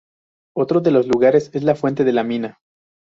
Otro de los lugares es la Fuente la Mina.